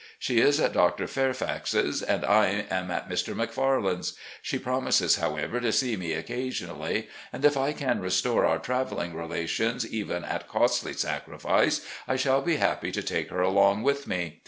She is at Dr. Fairfax's and I am at Mr. Macfarland's. She promises, however, to see me occasionally, and if I can restore our travelling relations even at costly sacrifice I shall be happy to take her along with me.